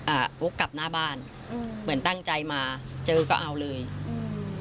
วกกลับหน้าบ้านอืมเหมือนตั้งใจมาเจอก็เอาเลยอืม